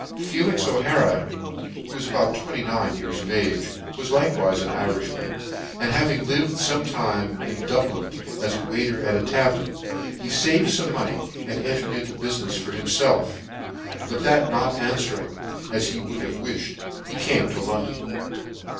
FELIX O'HARA, who was about 29 years of age, was likewife an Irifhman, and having lived fome time in Dublin as a waiter at a tavern, he faved fome money, and entered into bufinefs for himfelf; bnt that not anfwering as he could have wifhed, he came to London.